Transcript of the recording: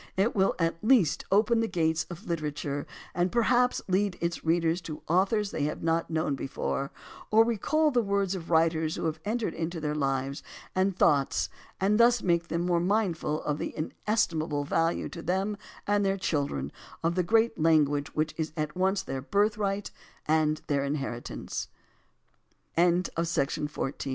It will at least open the gates of literature and perhaps lead its readers to authors they have not known before, or recall the words of writers who have entered into their lives and thoughts and thus make them more mindful of the inestimable value to them and their children of the great language which is at once t